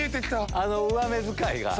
あの上目遣いが。